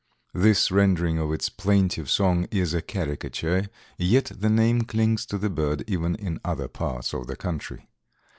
This rendering of its plaintive song is a caricature, yet the name clings to the bird even in other parts of the country.